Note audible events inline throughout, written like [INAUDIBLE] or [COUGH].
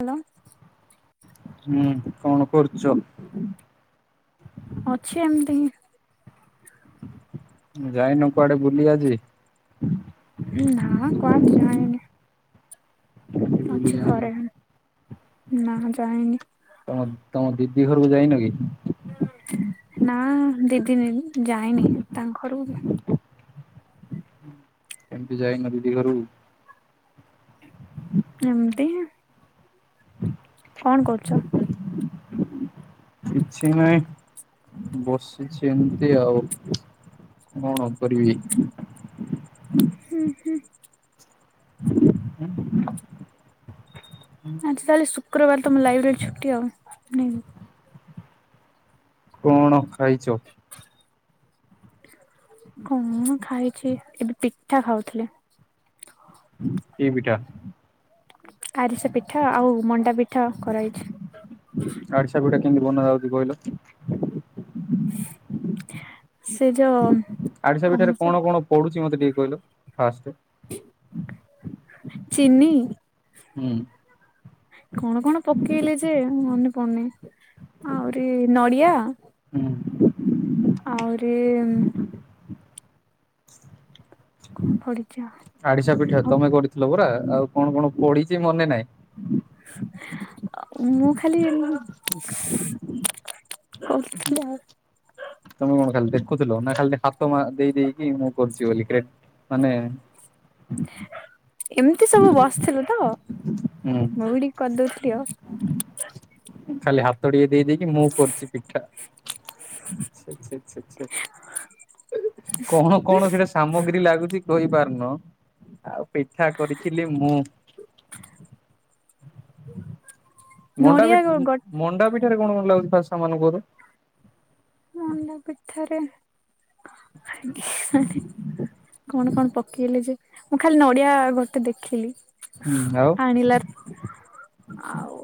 Hello! ହୁଁ କଣ କରୁଛ? ଅଛି ଏମିତିତିଁ। ଯାଇନ କୁଆଡେ ବୁଲି ଆଜି? ନା କୁଆଡେ ଯାଇନି। ବୁଲି ଅଛି ଯାଇନ? ଘରେ ନା ଯାଇନି। ଅ ତମ ଦିଦି ଘରକୁ ଯାଇନ କି? ନା ଦିଦିନି ଯାଇନି ତାଙ୍କ ଘରକୁ। କେମିତି ଯାଇନ ଦିଦି ଘରକୁ? [INAUDIBLE] ଏମିତି ହିଁ। କଣ କରୁଚ? କିଛି ନାହିଁ ବସିଚି ଏମିତି ଆଉ। କଣ କରିବି? ହୁଁ ହୁଁ। ହୁଁ। ଆଜି ତାହେଲେ ଶୁକ୍ରବାର ତମ ଲାଇବ୍ରେରୀ ଛୁଟି ଆଉ ନାଇଁ କି? କଣ ଖାଇଛ? କଣ ଖାଇଛି ଏବେ ପିଠା ଖାଉଥିଲେ। କି ପିଠା? ଆରିସା ପିଠା ଆଉ ମଣ୍ଡା ପିଠା କରାହେଇଛି। ଆଡିସା ପିଠା କେମିତି ବନା ଯାଉଛି କହିଲ? ସେ ଯୋଉ ଆରିଶା ପିଠା ରେ କଣ କଣ ପଡୁଛି ମତେ ଟିକେ କହିଲ ଫାଷ୍ଟେ? ଚିନି ହୁଁ। କଣ କଣ ପକେଇଲେ ଯେ ମନେ ପଡୁନି ଆଉରି ନଡିଆ ହୁଁ। ଆଉରି କଣ ପଢିଛ? ଆରିସା ପିଠା ତମେ କରିଥିଲ ପରା ଆଉ କଣ କଣ ପଢିଛି ମନେ ନାହିଁ। ମୁଁ ଖାଲି ଉଁ କରଥିଲି ଆଉ। ତମେ କଣ ଖାଲି ଦେଖୁଥିଲ ନା ଖାଲି ହାତ ମା ଦେଇ ଦେଇକି ମୁଁ କରୁଚି ବୋଲି କ୍ରେ ମାନେ ଏମିତି ସବୁ ବସିଥିଲୁ ତ ହୁଁ। ମୁଁ ବି ଟିକେ କରିଦଉଥିଲି ଆଉ। ଖାଲି ହାତ ଟିଏ ଦେଇ ଦେଇକି ମୁଁ କରୁଚି ପିଠା। ଛେ ଛେ ଛେ ଛେ। କଣ କଣ ସେଟା ସାମଗ୍ରୀ ଲାଗୁଚି କହି ପାରୁନ ଆଉ ପିଠା କରି। ଥିଲେ ମୁଁ। ମଣ୍ଡା ନଡିଆ ପିଠ୍ ଗ ମଣ୍ଡା ପିଠାରେ କଣ ମତେ ଲାଗୁଛି ଫାଷ୍ଟ ସାମନ କୁହ ତ। ମୁଣ୍ଡା ପିଠାରେ କେଜାଣି। କଣ କଣ ପକେଇଲେ ଯେ ମୁଁ ଖାଲି ନଡିଆ ଗୋଟେ ଦେଖିଲି। ହୁଁ ଆଉ ଆଣିିଲା। ଆଉ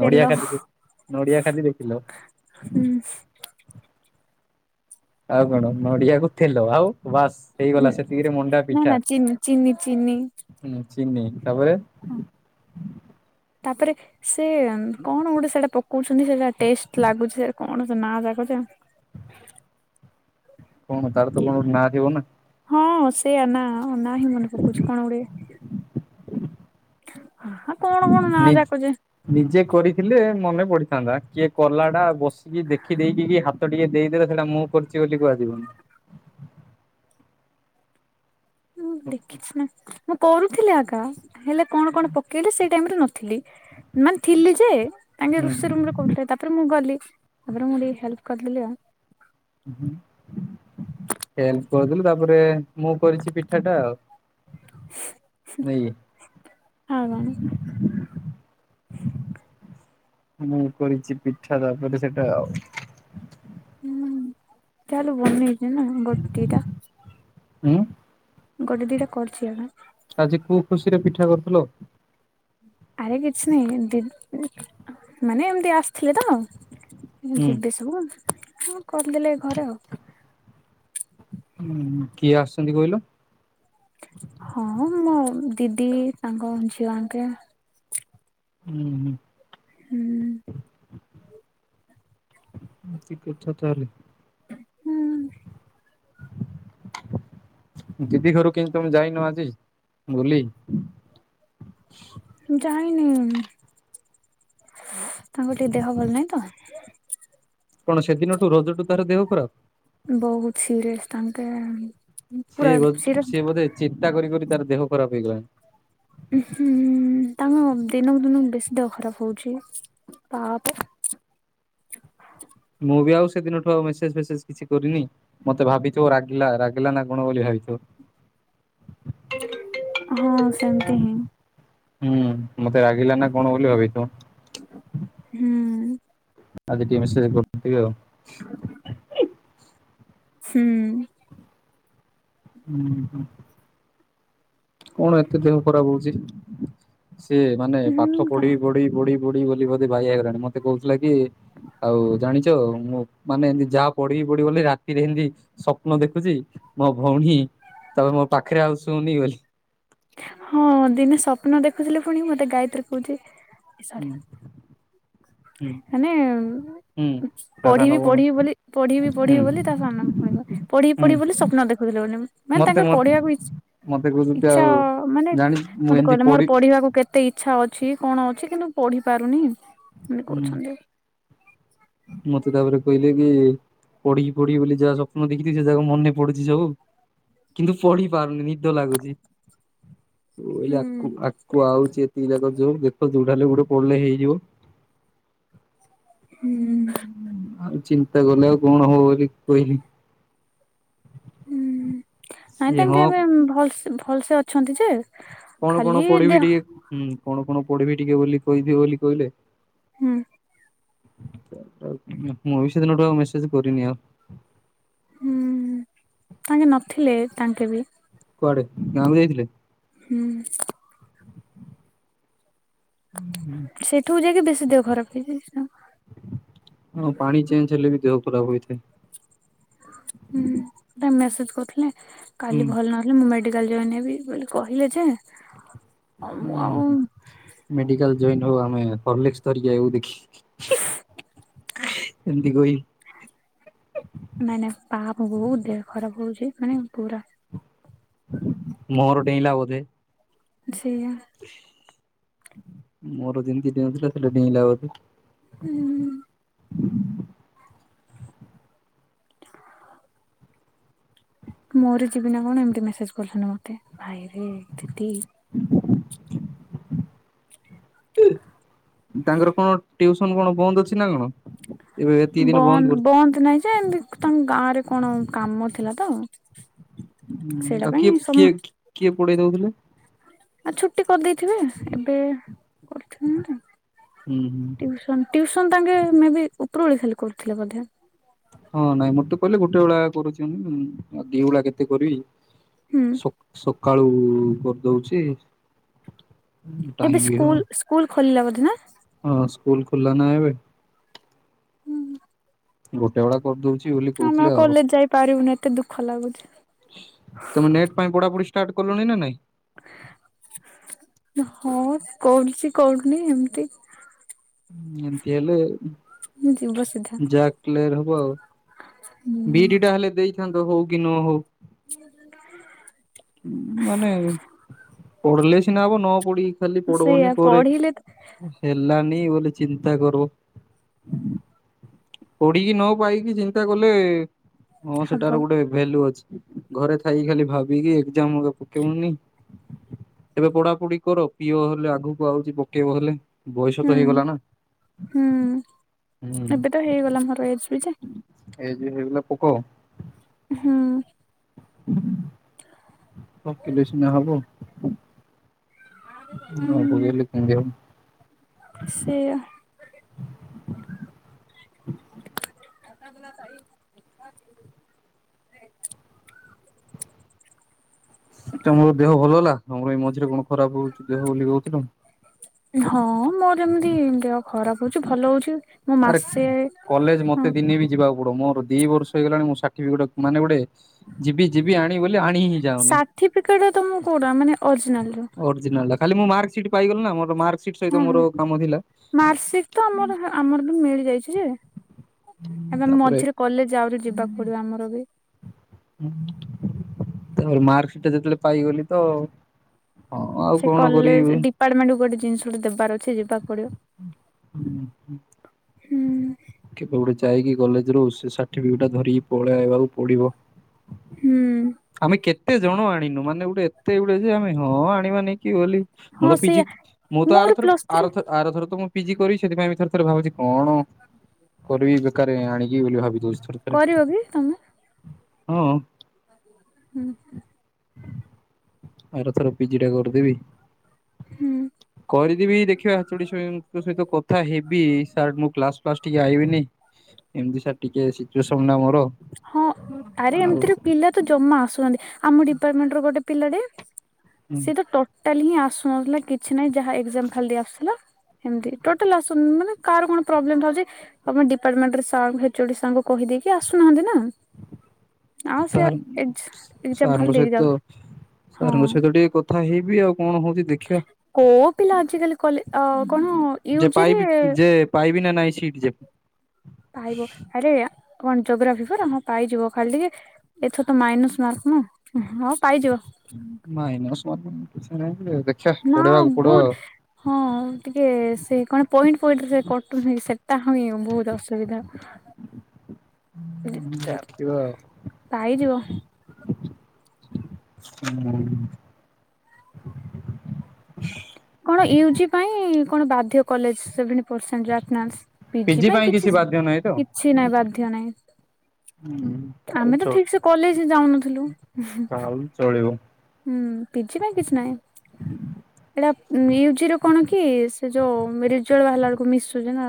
ନଡିଆ କାଟିକି ନଡିଆ ଖାଲି ଦେଖିଲ ହୁଁ। ଆଉ କଣ ନଡିଆକୁ ତେଲ ଆଉ ବାସ୍। ହେଇଗଲା ସେତିକିରେ ମଣ୍ଡା ନା ନା ପିଠା ଚିନି ଚିନି ଚିନି ହୁଁ ଚିନି ତାପରେ। [INAUDIBLE] ତାପରେ। ସେ କଣ ଗୋଟେ ସେଟା ପକଉଛନ୍ତି ସେଟା ଟେଷ୍ଟ ଲାଗୁଛି ସେ କଣ ସେ ନାଁ ଟା କହୁଛ କଣ ତାର ତ କଣ ଗୋଟେ ନାଁ ଥିବ ନା। ହଁ ସେଇଆ ନା ନା ହିଁ ମନେ ପକଉଛି କଣ ଗୋଟେ। ହାଁ ହା ନିଜ ନିଜେ କରିଥିଲେ ମନେ ପଡିଥାନ୍ତା କିଏ କଲା ଟା ବସିକି ଦେଖି ଦେଇେଇକି କି ବି ହାତ ତ ଟିକେ ଦେଇଦେଲେ ସେଇଟା ମୁଁ କରୁଛି ବୋଲି କୁହାଯିବନି। ହଁ ଦେଖିଛି ନା ମୁଁ କରୁଥିଲି ଆକା ହେଲେ କଣ କଣ ପକେଇଲେ ସେଇ ଟାଇମରେ ନଥିଲି। ମାନେ ଥିଲି ଯେ ତାଙ୍କେ ରୋଷେଇ ହୁଁ ରୁମରେ କରୁଥିଲେ ତାପରେ ମୁଁ ଗଲି। ତାପର ମୁଁ ଟିକେ ହେଲ୍ପ କରି ଦେଲି ଆଉ। ହୁଁ ହେଲ୍ପ କରିଦେଲି ତାପରେ ମୁଁ କରିଛି ପିଠା ଟା ଆଉ। ନାଇକି। ଆଉ କଣ। ମୁଁ କରିଛି ପିଠା ତାପରେ ସେଟା ଆଉ। ହୁଁ ଯାଇ ହେଲେ ବନେଇଛି ନା ଗୋଟେ ଦି ଟା। ଉଁ। ଗୋଟେ ଦିଟା କରିଛି ଏକା। ଆଜି କୋଉ ଖୁସି ରେ ପିଠା କରିଥିଲ। ଆରେ କିଛି ନାହିଁ ଏମିତି ମାନେ ଏମତି ଆସିଥିଲେ ତ। ମୁଁ ହୁଁ ଯିବେ ସବୁ ହୁଁ କରିଦେଲେ ଘରେ ଆଉ। ହୁଁ କିଏ ଆସିଛନ୍ତି କହିଲ। ହଁ ମୋ ଦିଦି ତାଙ୍କ ଝିଅ ଆଙ୍କେ। ହୁଁ। ହୁଁ ହୁଁ। ହୁଁ ଠିକ କଥା ତାହେଲେ। ହୁଁ। ଦିଦି ଘରୁ କେମତି ତମେ ଯାଇନ ଆଜି ବୁଲି। ଜାଇନି ତାଙ୍କ ଟିକେ ଦେହ ଭଲ ନାହିଁ ତ। କଣ ସେଦିନଠୁ ରଜଠୁ ତାର ଦେହ ଖରାପ୍। ବହୁତ ସିରିୟସ୍ ତାଙ୍କେ ଆଣି। ସିଏ ବୋ ସିଏ ବୋଧେ ଚିନ୍ତା କରି କରି ତାର ଦେହ ଖରାପ ହେଇଗଲାଣି। ହୁଁ ତାଙ୍କେ ଦିନକୁ ଦିନକୁ ବେଶୀ ଦେହ ଖରାପ ହଉଛି ତା ଅପେ ମୁଁ ବି ଆଉ ସେଦିନଠୁ ଆଉ ମେସେଜ ଫେସେଜ କିଛି କରିନି। ମତେ ଭାବିଥିବ ରାଗିଲା ରାଗିଲା ନା କଣ ବୋଲି ଭାବିଥିବ। ହଁ ସେମତି ହିଁ। ହୁଁ ମତେ ରାଗିଲା ନା କଣ ବୋଲି ଭାବିଥିବ। ହୁଁ ଆଜି ଟିଏମେସେ କରିଥିଲେ ଆଉ। ହୁଁ। ହୁଁ ହୁଁ। କଣ ଏତେ ଦେହ ଖରାପ ହଉଛି ସିଏ ମାନେ ପାଠ ହୁଁ ପଢି ପଢି ପଢ଼ି ପଢି ବୋଲି ବୋଧେ ବାଇଆ ହେଇଗଲାଣି ମତେ କହୁଥିଲା କି ଆଉ ଜାଣିଛ ମୁଁ ମାନେ ଏନ୍ତି ଯାହା ପଢିବି ପଢିବି ବୋଲି ରାତିରେ ହେନ୍ତି ସ୍ୱପ୍ନ ଦେଖୁଛି ମୋ ଭଉଣୀ ତାପରେ ମୋ ପାଖରେ ଆଉ ଶୁନି ବୋଲି। ହଁ ଦିନେ ସ୍ୱପ୍ନ ଦେଖୁଥିଲେ ଫୁଣି ମତେ ଗାୟତ୍ରୀ କହୁଛି ହୁଁ ସରି। ହୁଁ ମାନେ ହୁଁ ତା ସାନ ପଢିବି ଭଉଣୀ ପଢିବି ବୋଲି ପଢିବି ହୁଁ ପଢିବି ବୋଲି ତା ସାନ ଭଉଣୀକୁ ପଢିବି ହୁଁ ପଢିବି ବୋଲି ସ୍ୱପ୍ନ ଦେଖୁୁଥିଲି ବୋଲି। ମାନେ ମତେ ତାଙ୍କର ମ ପଢିବାକୁ ଇଛ ମତେ କହୁଛନ୍ତି ଇଚ୍ଛା ଆଉ ମାନେ ଜାଣି ମୁଁ ମତେ ଏମିତି କହିଲେ ପଢି ମୋର ପଢିବାକୁ କେ ଏତେ ଇଚ୍ଛା ଅଛି କଣ ଅଛି କିନ୍ତୁ ପଢିପାରୁନି ଏନ୍ତି ହୁଁ କହୁଛନ୍ତି। ମତେ ତାପରେ କହିଲେ କି ପଢ଼ିକି ପଢ଼ିବି ବୋଲି ଯାହା ସ୍ୱପ୍ନ ଦେଖିଥିଲି ସେ ଯାକ ମନେ ପଡୁଛି ସବୁ। କିନ୍ତୁ ପଢି ପାରୁନି ନିଦ ଲାଗୁଛି। ଆ ହୁଁ। ଆକୁ ଆଉଛି ଏତିକି ଯାକ ଯୋଉ ଦେଖ ଯୋଉଟା ହେଲେ ଗୋଟେ ପଢିଲେ ହେଇଯିବ। ହୁଁ। ଆଉ ଚିନ୍ତା କଲେ ଆଉ କଣ ହବ ବୋଲି କହିଲି। ନାଇ ସିଏ ତାଙ୍କେ ହଁ ଏବେ ଭଲ ଭଲସେ ଅଛନ୍ତି ଯେ କଣ କଣ ଖାଲି ପଢିବି ଦେହ ଟିକେ ହୁଁ କଣ କଣ ପଢିବି ଟିକେ ବୋଲି କହିଦିଅ ବୋଲି କହିଲେ। ହୁଁ। ମୁଁ ବି ସେଦିନ ଠୁ ଆଉ ମେସେଜ କରିନି ଆଉ। ହୁଁ ତାଙ୍କେ ନଥିଲେ ତାଙ୍କେ ବି। କୁଆଡେ ଗାଁକୁ ଯାଇଥିଲେ? ହୁଁ। ସେଠୁକୁ ଯାଇକି ବେଶୀ ଦେହ ଖରାପ ହେଇଯାଇଥିଲା। ହଁ ପାଣି ଚେଞ୍ଜ ହେଲେ ବି ଦେହ ଖରାପ ହୋଇଥାଏ। ହୁଁ ମେସେଜ କରୁଥିଲେ ହୁଁ। କାଲି ଭଲ ନ ମୁଁ ମେଡିକାଲ ଜଏନ ହେବି ବୋଲି କହିଲେ ଯେ ଆଉ ମୁଁ ଆଉ [UNINTELLIGIBLE] ମେଡିକାଲ ଜଏନ ହଉ ଆମେ ପବ୍ଲିକ ସ୍ତରୀକ କରିବୁ ଆଇବୁ ଦେଖି ଏମତି କହି ନାଇଁ ନାଇଁ ପାହାପ ବୋହୁତ ଦେହ ଖରାପ ହଉଛି ମାନେ ପୁରା। ମୋର ଡେଇଁଲା ବୋଧେ। ସେଇଆ। ମୋର ଯେମିତି ଡେଉଁ ଥିଲା ସେଟା ଡେଇଁଲା ବୋଧେ। ହୁଁ। ମରିଯିବି ନା କଣ ଏମିତି ମେସେଜ କରିଛନ୍ତି ମତେ ଭାଇରେ ଦିଦି। ତାଙ୍କର କଣ ଟିଉସନ କଣ ବନ୍ଦ ଅଛି ନା କଣ? ଏବେ ଏତିକି ଦିନ ବନ୍ଦ କରି ବନ୍ଦ ନାହିଁ ଯେ ଏମିତି ତାଙ୍କ ଗାଁରେ କଣ କାମ ଥିଲା ତ? ହୁଁ ସେଇଟା ଆଉ କିଏ ପାଇଁ ସମ କିଏ କିଏ ପଢେଇ ଦଉଥିଲେ? ଆଉ ଛୁଟି କରିଦେଇଥିବେ ଏବେ କରିଥିବେ ହୁଁ ହୁଁ ଟିଉସନ୍। ଟିଉସନ୍ ତାଙ୍କେ ମେ ବି ଉପରବୋଳି ଖାଲି କରୁଥିଲେ ବୋଧେ। ହଁ ନାଇଁ ମତେ କହିଲେ ଗୋଟେ ବେଳା କରୁଛି ମୁଁ ଉଁ ଆଉ ଦିଓଳା କେତେ କରିବି? ହୁଁ। ସ ସକାଳୁ କରିଦଉଛି। ଏବେ ଟାଇମ ବି ହଉ ସ୍କୁଲ୍-ସ୍କୁଲ ଖୋଲିଲା ବୋଧେ ନା। ହଁ ସ୍କୁଲ ଖୁଲ୍ଲା ନା ଏବେ। ଗୋଟେ ବେଳା କରିଦଉଛି ବୋଲି ଆମେ କହୁଥିଲେ ଆଉ। କଲେଜ ଯାଇପାରିବୁନି ଏତେ ଦୁଃଖ ଲାଗୁଛି। ତମେ ନେଟ୍ ପାଇଁ ପଢ଼ାପଢ଼ି ଷ୍ଟାର୍ଟ କଲଣି ନା ନାଇଁ? ହଁ, କରୁଛି କରୁନି ଏମିତି। ଏମିତି ହେଲେ- ହୁଁ ଯିବ ବସିଧା। ବି ଈ ଡି ଟା ହେଲେ ଦେଇ ଥାନ୍ତ ହଉ କି ନ ହଉ। [INAUDIBLE] ମାନେ। ପଢ଼ିଲେ ସିନା ହବ ନ ପଢ଼ିକି ଖାଲି ସେଇଆ ପଢ଼ଉନି ପରେ। ପଢିଲେ ହେଲାନି ବୋଧେ ଚିନ୍ତା କରୋ। ପଢ଼ିକି ନ ପାଇକି ଚିନ୍ତା କଲେ ହଁ ସେଟାର ହବ ଗୋଟେ। ଭେଲୁ ଅଛି ଘରେ ଥାଇକି ଖାଲି ଭାବିକି ଏକ୍ଜାମ୍ [UNINTELLIGIBLE] ପକେଇବୁନି। ଏବେ ପଢାପଢି କର ପିଅ ହେଲେ ଆଗକୁ ଆଉଛି ବ କେଇବ ହେଲେ ବୟସ ତ ହୁଁ। ହେଇଗଲା ନା। ହୁଁ ହୁଁ ଏବେ ତ ହେଇଗଲା ମୋର ଏଜ୍ ବି ଯେ। ଏଜ୍ ବି ହେଇଗଲା ପୋକ। ହୁଁ। ପକେଇଲେ ସିନା ହବ। ନ ପକେଇଲେ କିନ୍ଦି ହବ। ସେୟା। ହ। ଆ ତଲା କ। । ତମର ଦେହ ଭଲ ହେଲା ତମର ଏଇ ମଝିରେ କଣ ଖରାପ ହଉଛି ଦେହ ବୋଲି କହୁଥିଲ। ହଁ ମୋର ଏମିତି ଦେହ ଖରାପ ହଉଛି ଭଲ ହଉଛି ମୋ ଆରେ ମାସେ କଲେଜ ହଁ ମତେ ଦିନେ ବି ଯିବାକୁ ପଡ ମୋର ଦି ବର୍ଷ ହେଇଗଲାଣି ମୋର ସାଠିଫିକେଟ ମାନେ ଗୋଟେ। ଯିବି ଯିବି ଆଣିିବ ବୋଲି ଆଣି ହିଁ ଯାଉନି। ଠିପିକେଟ ତ ମ କଉଁଟା ମାନେ ଅରିଜିନାଲର। ଅରିଜିନାଲ ଡା ଖାଲି ମୁଁ ମାର୍କ ସିଟ୍ ପାଇଗଲି ନା ମୋର ମାକ ହୁଁ ହୁଁ ମାର୍କସିଟ ତ ଆମର ଆମର ବି ମିଳି ଯାଇଛି ଯେ। ଏବେ ତାପରେ ମଝିରେ କଲେଜ ଆହୁରି ଯିବାକୁ ପଡିବ ଆମର ବି। ତାପରେ ମାର୍କସିଟ ଟା ଯେତେବେଳେ ପାଇଗଲି ତ। ହଁ ଆଉ ସେ କଣ କରିବି। କଲେଜ ଡିପାର୍ଟମେଣ୍ଟ କୁ ଗୋଟେ ଜିନିଷ ଗୋଟେ ଦେବାର ଅଛି ଯିବାକୁ ପଡିବ। ହୁଁ। ହୁଁ କେବେ ଗୋଟେ ଯାଇକି କଲେଜ ରୁ ସେ ସାର୍ଟିଫିକେଟା ଧରିକି ପଳେଇ ଆଇବାକୁ ପଡିବ। ହୁଁ ଆମେ କେ ଏତେ ଜଣ ଆଣିନୁ ମାନେ ଏତେ ଗୁଡେ ଯେ ଆମେ ହଁ ଆଣିବା ନେଇକି ବୋଲି। ମୁଁ ହଁ ତ ପିଜି ସେଇଆ ମୁଁ ତ ମୋର ପ୍ଲସ୍ ଥ୍ରୀ ଆରଥର ତ ମୁଁ ପିଜି କରି ସେଥିପାଇଁ ଥରେ ଥରେ ଭାବୁଛି। କଣ ର। [UNINTELLIGIBLE] କରିବି ବେକାରରେ ଆଣିବିବୋଲି ଭାବି ଦଉଛି ଥରେ। କରିବ କି ତମେ। ହଁ। ହୁଁ। ଆରଥର ପିଜି ଟା କରିଦେବି। ହୁଁ। କରିଦେବି ଦେଖିବା ଚୁଡ଼ି ଙ୍କ ସହିତ କଥା ହେବି ସାର୍ ମୁଁ କ୍ଲାସ ଫ୍ ଗାଇବିନି ବିନି ଏମତି ସାର ଟିକେ ଶୀଚୁଏସନ ଟା ମୋର ହଁ ଆରେ ଆଉ। ଏମିତିରେ ପିଲା ଜମା ଆସୁନ୍ତି ଆମ ଡିପାର୍ଟମେଣ୍ଟ ଗୋଟେ ପିଲାଟେ ସି ତ ଟୋ ଟେଟାଲିହିଁ ଆସୁନଥିଲା କିଛି ନହିଁ ଯାହା ଏଜାମ ଖାଲି ଦେଇଆସୁଥିଲା। ଏମିତି ଟୋଟାଲ ଆସୁ ମାନେ କାହାର କଣ ପ୍ରୋବ୍ଲେମ ବାହାରୁଛି ତମେଡିପାର୍ଟମେଣ୍ଟାର୍ ସାର୍ ଏଚୋଡି ସା କହିଦେଇକି ଆସୁନାହାନ୍ତି ନା। ହ। [UNINTELLIGIBLE] ଆଉ ସେ ସାର୍ ଏକ୍ଜାମ ଖାଲି ସାର ଦେଇକି ଯାଉ ସହିତ ହଁ। ସାରସହିତ ଟିକେ କ କଥା ହେଇବି ଆଉ କଣ ହଉଛି। ଦେଖିବା। କୋଉ ପିଲା ଆଜି କାଲି କଲେ କଣ ଯେ ପାଇବି ୟୂଜିରେ। ଯେ ପାଇବି ନା ନାହିଁ ସିଟ ଯେ। ପାଇବ ଆରେ କଣ ଜୋଗ୍ରାଫି ପରା ହଁ ପାଇଯିବ ଖାଲି ଟିକେ ଏଥ ତ ମାଇନସ ମାର୍କ ନା ହଁ ପାଇଯିବ। ମାଇନ୍ସ ମାର୍କ ନାଇ କିଛି ନାହିଁ ଯେଦେଖିବା ପଢେଇବାକୁ ପଡିବ। ହ। ଟିକେ ସେ କଣ ପଏଣ୍ଟ ପଣ୍ଟରେ କଟୁନି ସେଟା ହଁ ବହୁତ ଅସୁବିଧା। ହୁଁ। ରିର୍ଚଜପାଇ ଯିବ। ହୁଁ। କଣ ୟୁଜିପାଇଁ କଣ ବାଧ୍ୟ କଲେଜ ସେଦିନ। ପସେଣ୍ଟ ଆଟନାସପିଜି ପିଜି ପାଇଁ କିଛି ବାଧ୍ୟ ନାହିଁ ତ? କିଛି ନାଇଁ ବାଧ୍ୟ ନାହିଁ। ହୁଁ। ଆମେ ତ ଚ ଠିକ ସେ କଲେଜ ହ ଯାଉନଥିଲୁ। ତାହେଲେ ଚଳିବ। ହୁଁ ପିଜିପାଇଁ କିଛି ନାହିଁ। ଏଇଟା ମିୟୁଜିର କଣ କି ସେ ଯୋଉମିଡିଏଟ ର ବାହାରିଲା ବେଳକୁ ମିଶୁଛି ନା।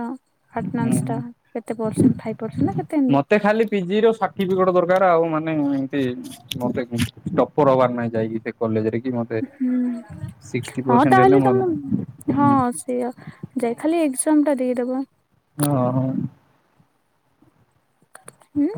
ଆଟନାସଟା ହୁଁ। କେତେ ପରସେଣ୍ଥଫାଇପ୍‌ ପରସେଣ୍ଟା ନା କେତେ ଏମିତି। ମତେ ଖାଲି ପିଜି ର ସାର୍ଟିଫିକେଟ ଦରକାର ଆଉ ମାନେ ଏମତି ମତେ ଟପର ହବାର୍। ନାଇଁ ଯାଇକି ସେ କଲେଜରେ କି ମତେ ହୁଁ ସିକ୍ସଟି ହଁ ପରସେଣ୍ଟ ହେଲେ ତାହେଲେ ମୋର ତମ ହୁଁ ହଁ ସେୟା। ଯାଇ ଖାଲି ଏଜାମ ଟା ଦେଇଦବ। ହଁ ହଁ। ହୁଁ।